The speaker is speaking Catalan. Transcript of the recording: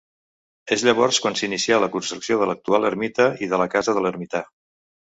És llavors quan s'inicià la construcció de l'actual ermita i de la casa de l'ermità.